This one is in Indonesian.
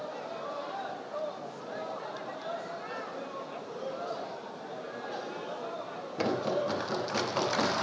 kami ingin meminta ketua umum dpp partai golkar